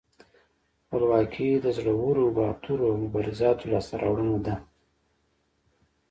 خپلواکي د زړورو، باتورو او مبارزانو لاسته راوړنه ده.